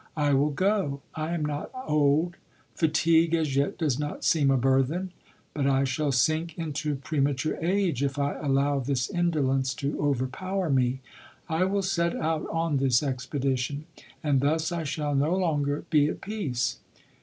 I will go — I am not old ; fatigue, as yet, does not seem a burthen ; but I shall sink into premature age, if I allow this indolence to overpower me. I will set out on this expedition, and thus I shall no longer be at peace."